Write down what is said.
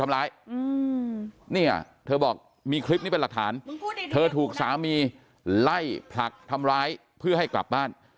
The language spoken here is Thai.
ทำร้ายเนี่ยเธอบอกมีคลิปนี้เป็นหลักฐานเธอถูกสามีไล่ผลักทำร้ายเพื่อให้กลับบ้าน